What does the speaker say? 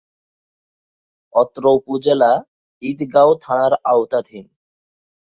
অত্র উপজেলা ঈদগাঁও থানার আওতাধীন।